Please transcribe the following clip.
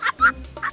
lari ke mana sih tuan